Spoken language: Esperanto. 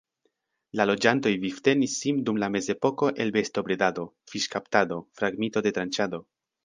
La loĝantoj vivtenis sin dum la mezepoko el bestobredado, fiŝkaptado, fragmito-detranĉado.